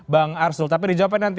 bang arsul tapi dijawabkan nanti